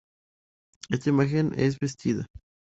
Esta imagen es vestida.